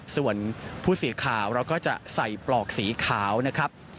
ส่วนผู้สื่อข่าวเราก็จะใส่ปลอกสีขาวนะครับ